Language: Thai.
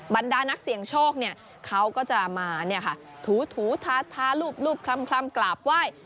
บรรดานักเสียงโชคเนี่ยเขาก็จะมาเนี่ยค่ะถูทาลูบคล่ำกราบว่า